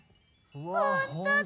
ほんとだ！